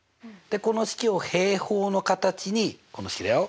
この式を平方の形にこの式だよ